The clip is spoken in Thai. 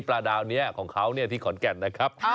ปลาดาวนี้ของเขาที่ขอนแก่นนะครับ